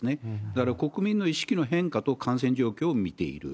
だから、国民の意識の変化と感染状況を見ている。